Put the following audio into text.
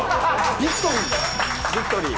ビクトリー。